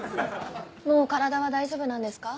もう体は大丈夫なんですか？